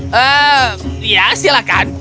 hah ehm ya silakan